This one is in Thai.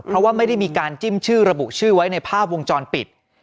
เพราะว่าไม่ได้มีการจิ้มชื่อระบุชื่อไว้ในภาพวงจรปิด